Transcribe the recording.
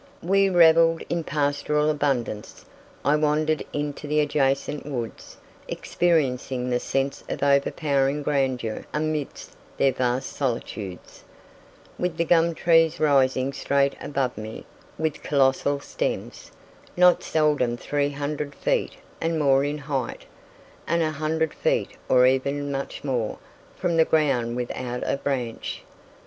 We revelled in pastoral abundance. I wandered into the adjacent woods, experiencing the sense of overpowering grandeur amidst their vast solitudes, with the gum trees rising straight above me with colossal stems, not seldom 300 feet and more in height, and 100 feet, or even much more, from the ground without a branch.